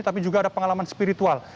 tapi juga ada pengalaman spiritual